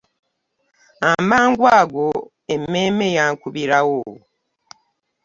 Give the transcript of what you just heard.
Amangu ago emmeeme yankubirawo.